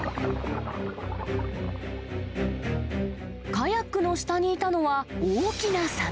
カヤックの下にいたのは、大きなサメ。